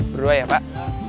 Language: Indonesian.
berdua ya pak